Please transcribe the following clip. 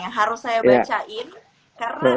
yang harus saya bacain karena